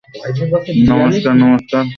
নমস্কার, - নমস্কার।